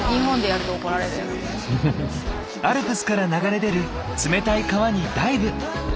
アルプスから流れ出る冷たい川にダイブ！